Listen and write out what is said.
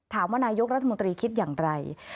ถามว่านายกรัฐมนตรีคิดอย่างไร